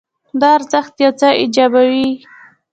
دا ارزښت یو څه ایجابوي.